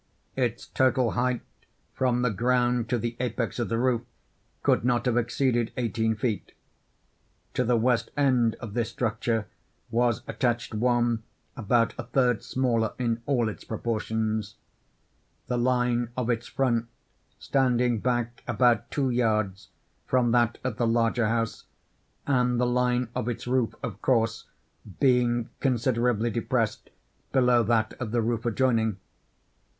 Its total height, from the ground to the apex of the roof, could not have exceeded eighteen feet. To the west end of this structure was attached one about a third smaller in all its proportions:—the line of its front standing back about two yards from that of the larger house, and the line of its roof, of course, being considerably depressed below that of the roof adjoining.